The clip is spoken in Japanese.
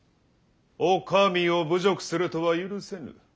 お上を侮辱するとは許せぬ！